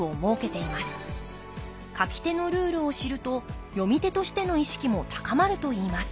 書き手のルールを知ると読み手としての意識も高まるといいます